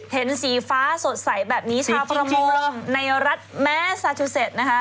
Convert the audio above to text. เห็นสีฟ้าสดใสแบบนี้ชาวประมงในรัฐแม้ซาจูเซ็ตนะคะ